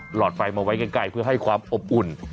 หลอดไฟมาไว้ใกล้เพื่อให้ความอบอุ่น